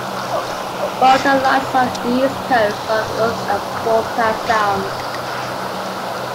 Balta lies off the east coast of Unst and Balta Sound.